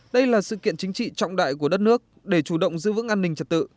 đây là sự kiện chính trị trọng đại của đất nước để chủ động giữ vững an ninh trật tự